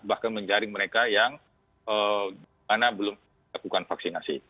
bahkan menjaring mereka yang gimana belum dilakukan vaksinasi